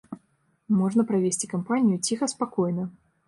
Можна правесці кампанію ціха-спакойна.